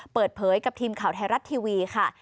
เปิดเผยกับทีมข่าวไทยรัฐทีวีค่ะ